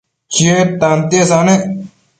Chied tantiesa nec